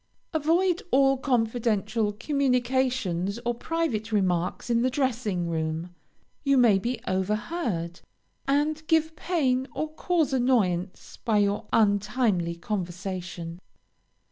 Avoid all confidential communications or private remarks in the dressing room. You may be overheard, and give pain or cause annoyance by your untimely conversation.